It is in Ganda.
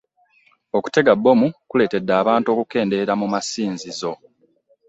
Okutegga bbomu kuletedde abantu okukendera mu masinzizo.